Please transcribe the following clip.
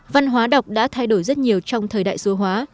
văn hóa đọc đã thay đổi rất nhiều trong thời đại số hóa